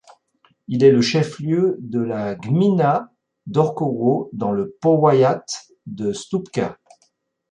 Il est le chef-lieu de la gmina d'Orchowo, dans le powiat de Słupca.